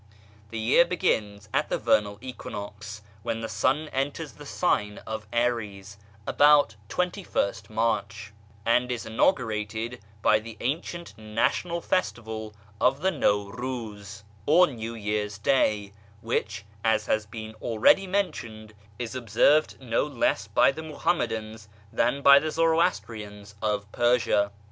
The year begins at the vernal equinox, when the sun enters the sign of Aries (about 21st March), and is inaugurated by the ancient national festival of the Naw Ruz, or New Year's Day, which, as has been already mentioned, is observed no less by the Muhammadans than by the Zoroastrians of Persia.